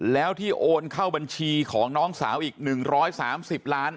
แล้วที่โอนเข้าบัญชีของน้องสาวอีก๑๓๐ล้าน